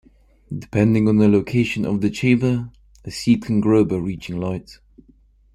Depending on the location of the chamber, a seed can grow by reaching light.